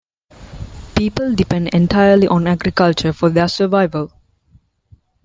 People depend entirely on agriculture for their survival.